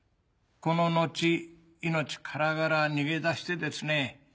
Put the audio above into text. この後命からがら逃げ出してですね